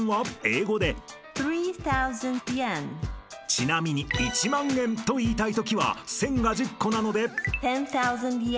［ちなみに１０，０００円と言いたいときは１，０００が１０個なので］